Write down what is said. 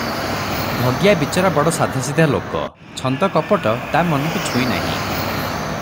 ଭଗିଆ ବିଚରା ବଡ଼ ସାଦାସିଧା ଲୋକ, ଛନ୍ଦ କପଟ ତା ମନ କୁ ଛୁଇଁ ନାହିଁ ।